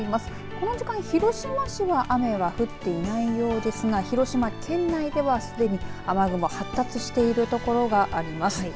この時間、広島市は雨は降っていないようですが広島県内ではすでに雨雲発達している所があります。